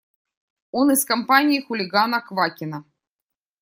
Он из компании хулигана Квакина.